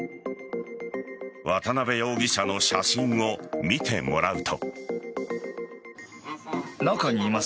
渡辺容疑者の写真を見てもらうと。